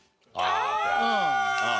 ああ！